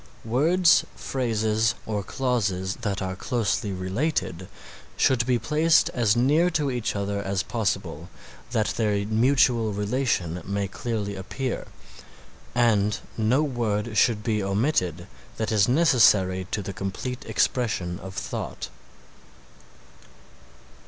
Words, phrases or clauses that are closely related should be placed as near to each other as possible that their mutual relation may clearly appear, and no word should be omitted that is necessary to the complete expression of thought.